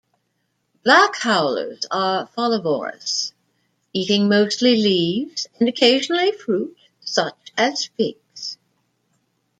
Black howlers are folivorous, eating mostly leaves, and occasionally fruit, such as figs.